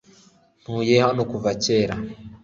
ntuye hano kuva kera